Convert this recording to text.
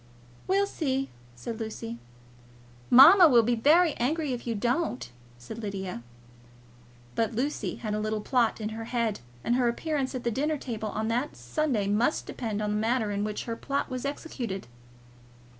"We'll see," said Lucy. "Mamma will be very angry if you don't," said Lydia. But Lucy had a little plot in her head, and her appearance at the dinner table on that Sunday must depend on the manner in which her plot was executed.